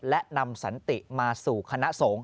และนำสันติมาสู่คณะสงฆ์